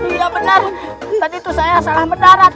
iya benar tadi tuh saya salah mendarat atuh